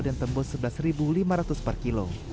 dan tembus rp sebelas lima ratus per kilo